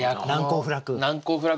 難攻不落？